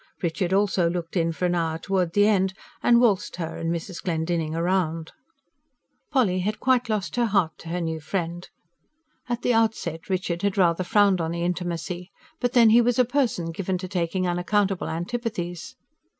Richard also looked in for an hour towards the end, and valsed her and Mrs. Glendinning round. Polly had quite lost her heart to her new friend. At the outset Richard had rather frowned on the intimacy but then he was a person given to taking unaccountable antipathies.